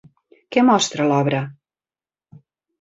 Què mostra l'obra?